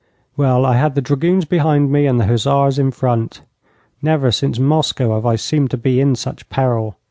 Well, I had the dragoons behind me and the hussars in front. Never since Moscow have I seemed to be in such peril.